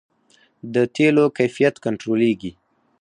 د تیلو کیفیت کنټرولیږي؟